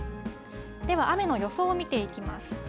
では雨の予想を見ていきます。